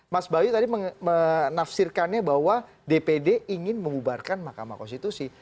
mas bayu tadi menafsirkannya bahwa dpd ingin membubarkan mahkamah konstitusi